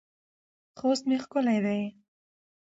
خوست مې ښکلی دی